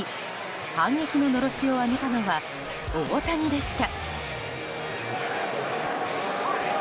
反撃ののろしを上げたのは大谷でした。